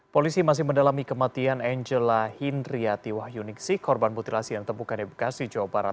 polisi masih mendalami kematian angela hindriyati wahyuniksi korban butilasi dan tembukan edukasi jawa barat